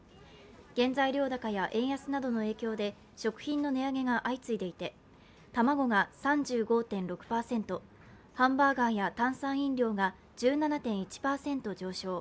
原材料高や円安などの影響で食品の値上げが相次いでいて卵が３５．６％、ハンバーガーや炭酸飲料が１７．１％上昇。